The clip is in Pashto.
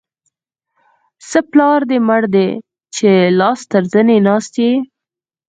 څه پلار دې مړ دی؛ چې لاس تر زنې ناست يې.